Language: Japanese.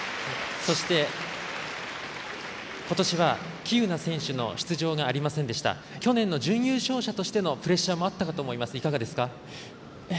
そして、今年は喜友名選手の出場がありませんでした去年の準優勝者としてのプレッシャーもあったかと思いますがいかがですか。